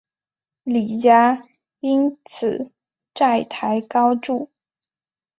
李家因此债台高筑。